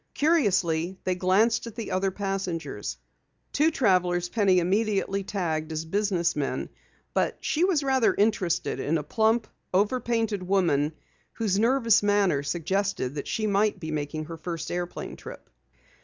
Curiously, they glanced at the other passengers. Two travelers Penny immediately tagged as business men. But she was rather interested in a plump, over painted woman whose nervous manner suggested that she might be making her first airplane trip.